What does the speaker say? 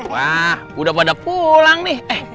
wah udah pada pulang nih